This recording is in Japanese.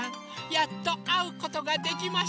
やっとあうことができました。